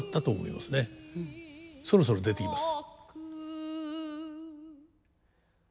そろそろ出てきます。